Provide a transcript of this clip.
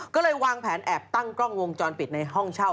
ก็เลยวางแผนแอบตั้งกล้องวงจรปิดในห้องเช่า